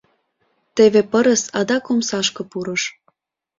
Теве пырыс адак омсашке пурыш.